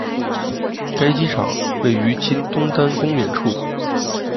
该机场位于今东单公园处。